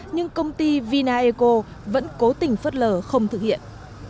nhưng công ty vinaeco vẫn cố tình phất lờ không thực hiện